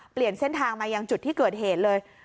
เปลี่ยนเส้นทางมายังจุดที่เกิดเหตุเลย